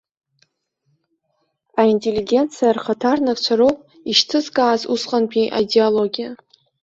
Аителлигенциа рхаҭарнакцәа роуп ишьҭызкааз усҟантәи аидеологиа.